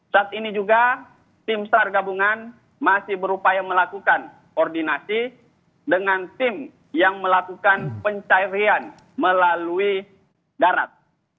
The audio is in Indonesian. saat ini juga tim sar gabungan masih berupaya melakukan koordinasi dengan tim yang melakukan pencarian melalui darat